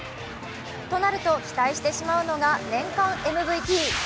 となると、期待してしまうのが年間ＭＶＰ。